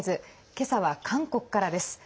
今朝は韓国からです。